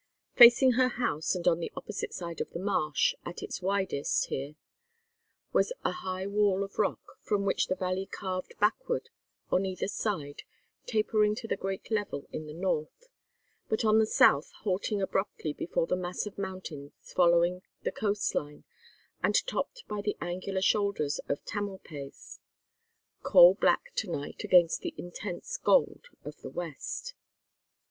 Facing her house and on the opposite side of the marsh, at its widest here, was a high wall of rock, from which the valley curved backward on either side, tapering to the great level in the north, but on the south halting abruptly before the mass of mountains following the coast line and topped by the angular shoulder of Tamalpais; coal black to night against the intense gold of the West.